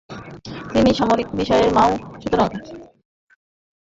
তিনি সামরিক বিষয়ে মাও সেতুং এবং চৌ এন-লাইকে সহযোগিতা করেছিলেন।